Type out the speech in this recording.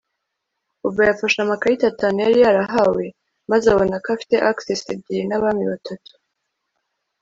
Bobo yafashe amakarita atanu yari yarahawe maze abona ko afite aces ebyiri nabami batatu